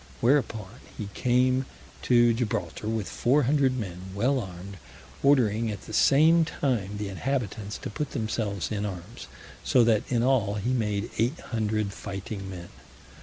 Whereupon he came to Gibraltar with four hundred men well armed, ordering at the same time the inhabitants to put themselves in arms, so that in all he made eight hundred fighting men.